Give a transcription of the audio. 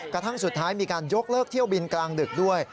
กระทั่งสุดท้ายมีการยกเลิกเที่ยวบินกลางดึกด้วย